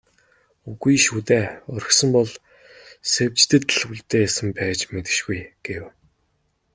"Үгүй шүү дээ, орхисон бол Сэвжидэд л үлдээсэн байж мэдэшгүй" гэв.